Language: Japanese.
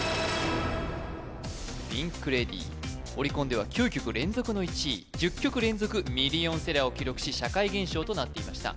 ピンク・レディーオリコンでは９曲連続の１位１０曲連続ミリオンセラーを記録し社会現象となっていました